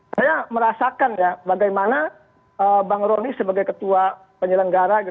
saya merasakan ya bagaimana bang rony sebagai ketua penyelenggara